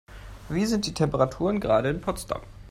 Wie sind die Temperaturen gerade in Potsdam?